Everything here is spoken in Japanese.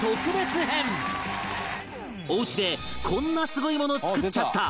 おうちでこんなすごいもの作っちゃった！